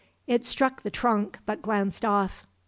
It struck the trunk, but glanced off.